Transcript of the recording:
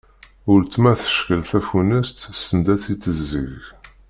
Ultma teckel tafunast send ad tt-id-teẓẓeg.